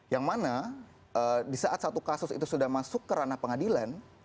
yang mana di saat satu kasus itu sudah masuk ke ranah pengadilan